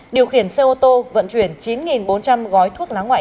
điều khiển xe ô tô vận chuyển chín bốn trăm linh gói thuốc lá ngoại